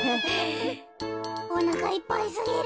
おなかいっぱいすぎる。